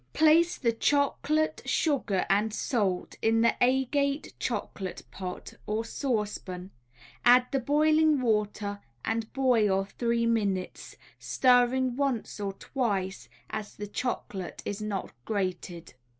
Place the chocolate, sugar and salt in the agate chocolate pot or saucepan, add the boiling water and boil three minutes, stirring once or twice, as the chocolate is not grated.